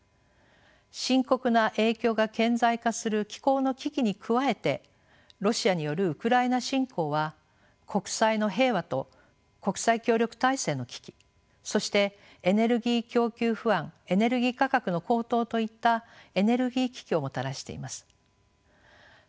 深刻な影響が顕在化する気候の危機に加えてロシアによるウクライナ侵攻は国際の平和と国際協力体制の危機そしてエネルギー供給不安エネルギー価格の高騰といったエネルギー危機をもたらしています。